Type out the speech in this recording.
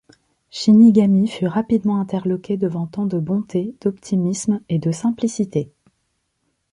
Shinigami fut rapidement interloqué devant tant de bonté, d'optimisme et de simplicité.